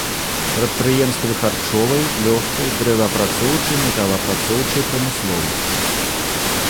Прадпрыемствы харчовай, лёгкай, дрэваапрацоўчай, металаапрацоўчай прамысловасці.